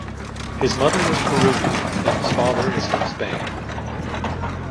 His mother was Peruvian and his father was from Spain.